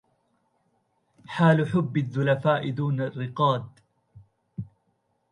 حال حب الذلفاء دون الرقاد